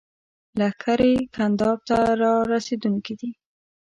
لښکرې ګنداب ته را رسېدونکي دي.